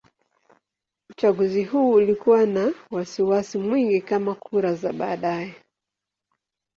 Uchaguzi huu ulikuwa na wasiwasi mwingi kama kura za baadaye.